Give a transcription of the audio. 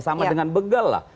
sama dengan begal lah